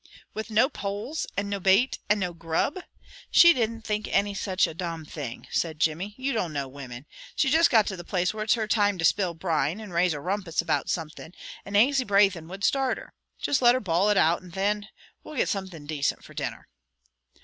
"With no poles, and no bait, and no grub? She didn't think any such a domn thing," said Jimmy. "You don't know women! She just got to the place where it's her time to spill brine, and raise a rumpus about something, and aisy brathin' would start her. Just let her bawl it out, and thin we'll get something dacent for dinner."